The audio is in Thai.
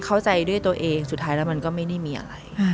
เข้าใจด้วยตัวเองสุดท้ายแล้วมันก็ไม่ได้มีอะไร